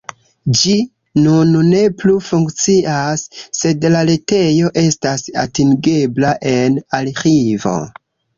Ĝi nun ne plu funkcias, sed la retejo estas atingebla en arĥivo.